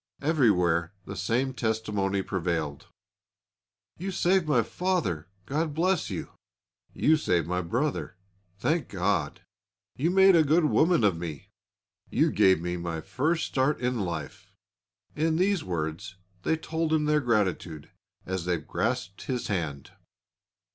Everywhere the same testimony prevailed: "You saved my father, God bless you!" "You saved my brother, thank God!" "You made a good woman of me!" "You gave me my first start in life!" In these words they told him their gratitude, as they grasped his hand.